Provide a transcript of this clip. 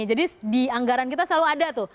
jadi di anggaran kita selalu ada tuh